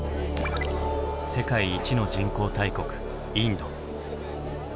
世界一の人口大国インド。